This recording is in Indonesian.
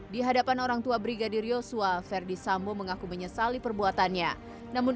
di hadapan orangtua brigadir yosua verdi sambo mengaku menyesali perbuatannya namun